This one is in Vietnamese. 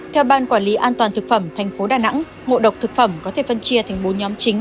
theo ban quản lý an toàn thực phẩm thành phố đà nẵng ngộ độc thực phẩm có thể phân chia thành bốn nhóm chính